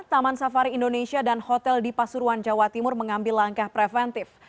taman safari indonesia dan hotel di pasuruan jawa timur mengambil langkah preventif